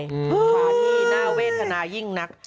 ขาที่น่าเวทนายิ่งนัก